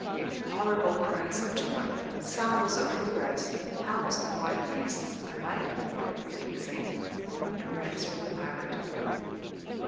Horrible cries of joy, salvos of hurrahs howls of wild beasts I might more appropriately say arise from the pirate horde.